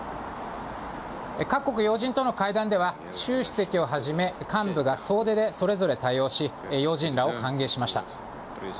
各国要人との会談では、習主席をはじめ、幹部が総出で、それぞれ対応し、要人らを歓迎しました。